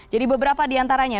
jadi beberapa diantaranya